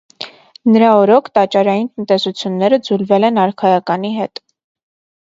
Նրա օրոք տաճարային տնտեսությունները ձուլվել են արքայականի հետ։